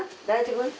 大丈夫？